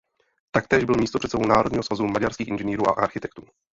Taktéž byl místopředsedou Národního svazu maďarských inženýrů a architektů.